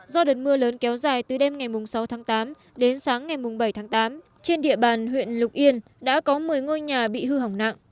do đợt mưa lớn kéo dài từ đêm ngày sáu tháng tám đến sáng ngày bảy tháng tám trên địa bàn huyện lục yên đã có một mươi ngôi nhà bị hư hỏng nặng